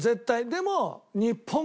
でも。